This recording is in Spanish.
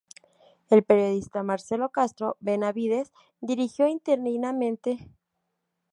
El periodista Marcelo Castro Benavides dirigió interinamente "Telenoticias" durante seis meses.